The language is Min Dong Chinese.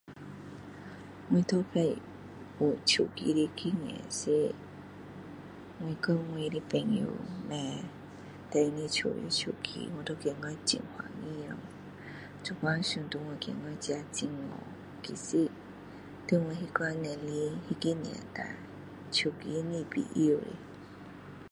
我都一次有手机的经验是我跟我的朋友买第二手的手机我都觉得很高兴了现在想回去觉得自己很傻其实在我的那时年龄那个年代手机是没必要的